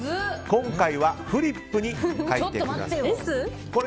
今回はフリップに書いてください。